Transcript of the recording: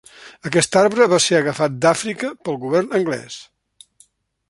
Aquest arbre va ser agafat d'Àfrica pel govern anglès.